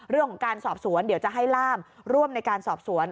เรื่องของการสอบสวนเดี๋ยวจะให้ล่ามร่วมในการสอบสวน